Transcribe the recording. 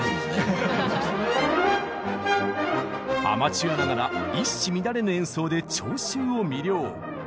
アマチュアながら一糸乱れぬ演奏で聴衆を魅了。